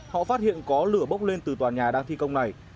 họ phát hiện có lửa bốc lên từ tòa nhà đang thi công này